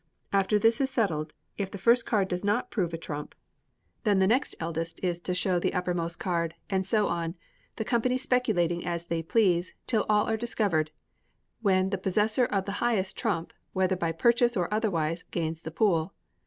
After this is settled, if the first card does not prove a trump, then the next eldest is to show the uppermost card, and so on the company speculating as they please, till all are discovered, when the possessor of the highest trump, whether by purchase or otherwise, gains the pool.